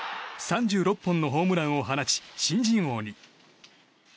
３６本のホームランを放ち新人王に。